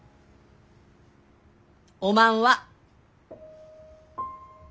おまんは？